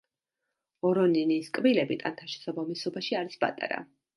ორორინის კბილები ტანთან შესაბამისობაში არის პატარა.